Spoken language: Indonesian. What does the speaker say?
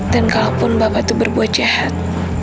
dan kalaupun bapak itu berbuat jahat